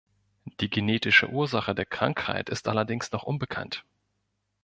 Die genetische Ursache der Krankheit ist allerdings noch unbekannt.